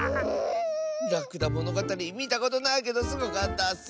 「らくだものがたり」みたことないけどすごかったッス。